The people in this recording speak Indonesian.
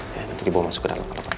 nanti dibawa masuk ke dalam kapal